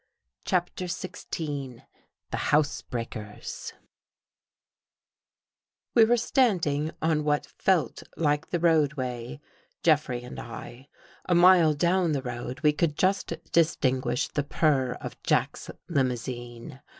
CHAPTER XVI I THE HOUSEBREAKERS W E were standing on what felt like the road ' way, Jeffrey and 1. A mile down the road, , we could just distinguish the purr of Jack's limousine.